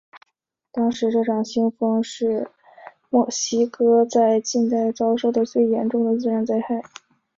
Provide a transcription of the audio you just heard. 当时这场飓风是墨西哥在近代遭受的最严重的自然灾害。